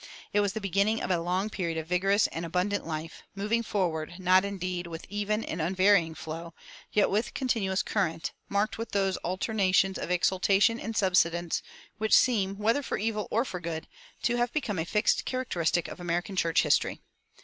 It was the beginning of a long period of vigorous and "abundant life," moving forward, not, indeed, with even and unvarying flow, yet with continuous current, marked with those alternations of exaltation and subsidence which seem, whether for evil or for good, to have become a fixed characteristic of American church history.